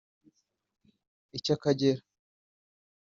icy’Akagera